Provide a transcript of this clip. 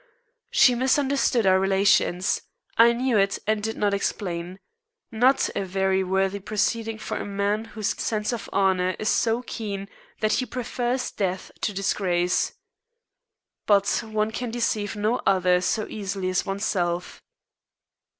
She misunderstood our relations. I knew it, and did not explain. Not a very worthy proceeding for a man whose sense of honor is so keen that he prefers death to disgrace. But one can deceive no other so easily as oneself.